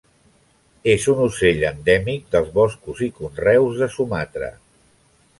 És un ocell endèmic dels boscos i conreus de Sumatra.